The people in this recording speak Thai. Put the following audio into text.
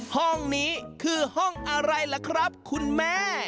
ห้องนี้คือห้องอะไรล่ะครับคุณแม่